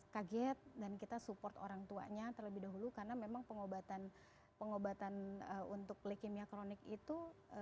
kaget dan kita support orang tuanya terlebih dahulu karena memang pengobatan untuk leukemia kronik itu